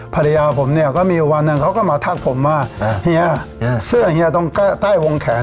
มันดีจังเลยมันดีจังเลย